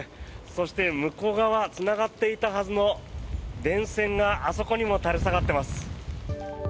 そして向こう側つながっていたはずの電線があそこにも垂れ下がっています。